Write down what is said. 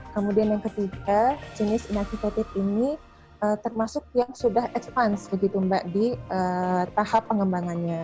kemudian yang ketiga jenis inaficated ini termasuk yang sudah advance begitu mbak di tahap pengembangannya